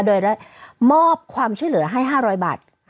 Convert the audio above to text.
โดยได้มอบความช่วยเหลือให้๕๐๐บาท